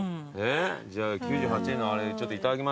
じゃあ９８円のあれちょっと頂きましょう。